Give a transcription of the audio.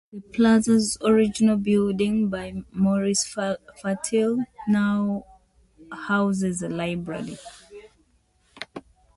The Plaza's original building by Maurice Fatio now houses a library.